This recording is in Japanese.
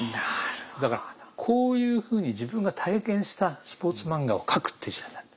だからこういうふうに自分が体験したスポーツ漫画を描くっていう時代になった。